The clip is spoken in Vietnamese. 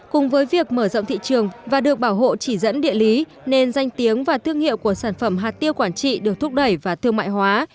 cùng với việc mở rộng thị trường và được bảo hộ chỉ dẫn địa lý nên danh tiếng và thương hiệu của sản phẩm hạt tiêu quảng trị được thúc đẩy và thương mại hóa